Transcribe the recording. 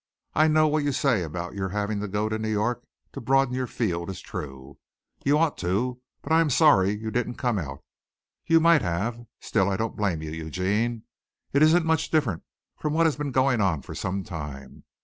I know what you say about your having to go to New York to broaden your field is true. You ought to, but I'm sorry you didn't come out. You might have. Still I don't blame you, Eugene. It isn't much different from what has been going on for some time.